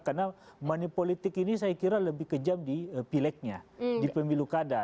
karena manipolitik ini saya kira lebih kejam di pileknya di pemilu kada